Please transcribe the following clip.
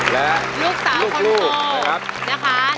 แล้วลูกสาวคนที่สอง